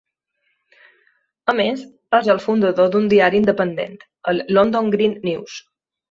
A més, és el fundador d'un diari independent, el "London Green News".